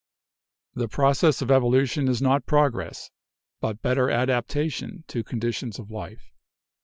"The process of evolution is not progress, but better adaptation to conditions of life.